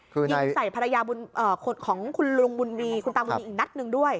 ยิงใส่ภรรยาของคุณลุงบุญมีคุณตาบุญมีอีกนัดหนึ่งด้วย